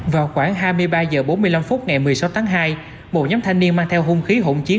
vào khoảng hai mươi ba h bốn mươi năm phút ngày một mươi sáu tháng hai một nhóm thanh niên mang theo hung khí hỗn chiến